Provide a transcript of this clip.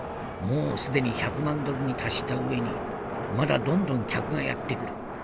もう既に１００万ドルに達した上にまだどんどん客がやって来る。